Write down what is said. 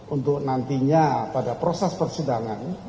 untuk nantinya pada proses persidangan